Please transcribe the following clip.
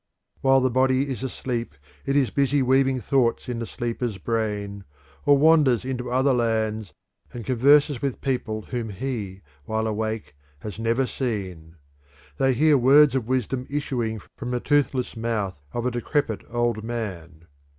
While the body is asleep it is busy weaving thoughts in the sleeper's brain, or wanders into other lands and converses with people whom he, while awake, has never seen. They hear words of wisdom issuing from the toothless mouth of a decrepit old man.